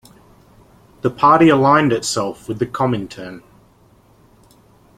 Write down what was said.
The party aligned itself with the Comintern.